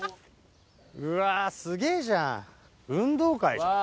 うわすげぇじゃん運動会じゃん。